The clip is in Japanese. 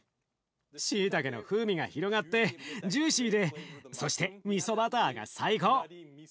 しいたけの風味が広がってジューシーでそしてみそバターが最高。